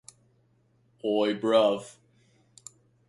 He is sentenced to death by electrocution.